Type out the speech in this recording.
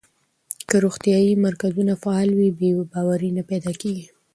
که روغتیايي مرکزونه فعال وي، بې باوري نه پیدا کېږي.